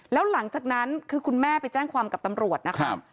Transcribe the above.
แล้วหลังจากนั้นคือคุณแม่ไปแจ้งความกับตำรวจนะครับ